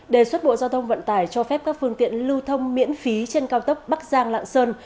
đề xuất bộ giao thông vận tải cho phép các phương tiện lưu thông miễn phí trên cao tốc bắc giang lạng sơn